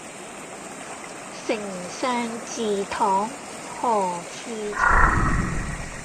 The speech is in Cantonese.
丞相祠堂何處尋